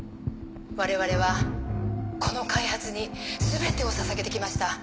我々はこの開発に全てをささげて来ました。